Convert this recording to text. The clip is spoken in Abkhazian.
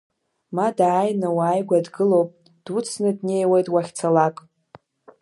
Ма дааины уааигәа дгылоуп, дуцны днеиуеит уахьцалак.